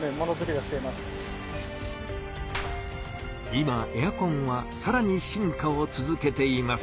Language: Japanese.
今エアコンはさらに進化を続けています。